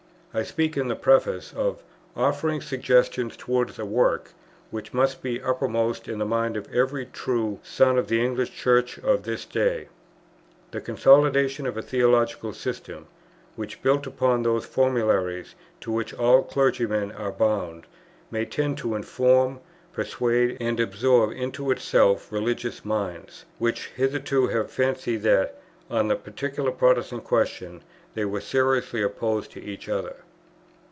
I speak in the Preface of "offering suggestions towards a work, which must be uppermost in the mind of every true son of the English Church at this day, the consolidation of a theological system, which, built upon those formularies, to which all clergymen are bound, may tend to inform, persuade, and absorb into itself religious minds, which hitherto have fancied, that, on the peculiar Protestant questions, they were seriously opposed to each other."